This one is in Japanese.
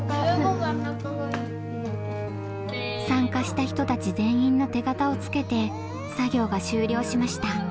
参加した人たち全員の手形を付けて作業が終了しました。